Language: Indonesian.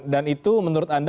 dan itu menurut anda